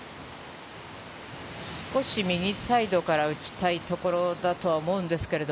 少し右サイドから打ちたいところだと思うんですけど。